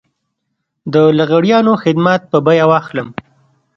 د لغړیانو خدمات په بيه واخلم.